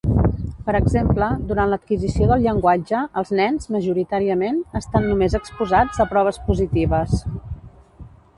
Per exemple, durant l'adquisició del llenguatge, els nens, majoritàriament, estan només exposats a proves positives.